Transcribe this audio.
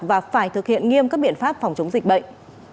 và phải thực hiện nghiêm các biện pháp phòng chống dịch bệnh